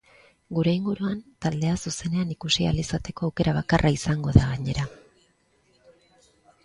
Gure inguruan taldea zuzenean ikusi ahal izateko aukera bakarra izango da, gainera.